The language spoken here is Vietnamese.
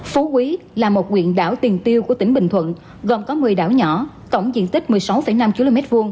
phú quý là một nguyện đảo tiền tiêu của tỉnh bình thuận gồm có một mươi đảo nhỏ tổng diện tích một mươi sáu năm km hai